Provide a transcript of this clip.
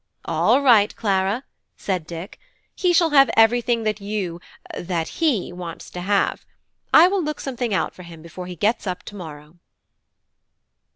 "All right, Clara," said Dick; "he shall have everything that you that he wants to have. I will look something out for him before he gets up to morrow."